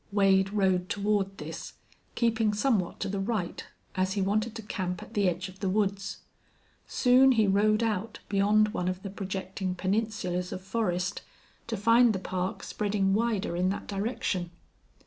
Wade rode toward this, keeping somewhat to the right, as he wanted to camp at the edge of the woods. Soon he rode out beyond one of the projecting peninsulas of forest to find the park spreading wider in that direction.